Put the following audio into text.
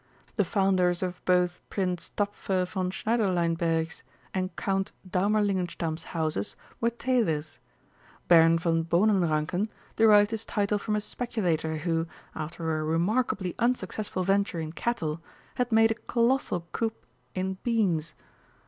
The founders of both Prince Tapfer von Schneiderleinberg's and Count Daumerlingenstamm's houses were tailors; Baron von Bohnenranken derived his title from a speculator who, after a remarkably unsuccessful venture in cattle, had made a colossal coup in beans.